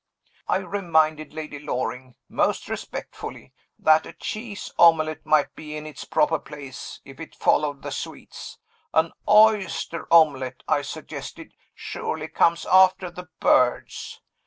I reminded Lady Loring (most respectfully) that a cheese omelette might be in its proper place if it followed the sweets. 'An oyster omelet,' I suggested, 'surely comes after the birds?